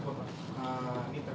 ini terkait kemarkirans